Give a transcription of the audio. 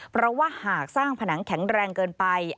เพราะว่าหากสร้างผนังแข็งแรงเกินไป